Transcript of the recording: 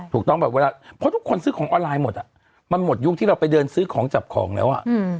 ถูกต้องเพราะทุกคนซื้อของออนไลน์หมดมันหมดยุ่งที่เราไปเดินซื้อของจับของแล้ว